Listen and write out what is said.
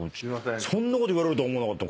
そんなこと言われると思わなかった。